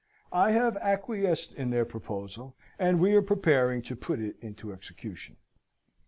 I have acquiesced in their proposal, and we are preparing to put it into execution."